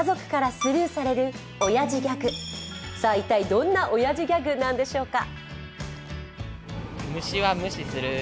一体、どんなおやじギャグなんでしょうか？